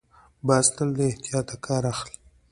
باز تل له احتیاط کار اخلي